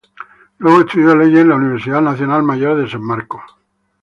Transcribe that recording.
Luego estudió leyes en la Universidad Nacional Mayor de San Marcos.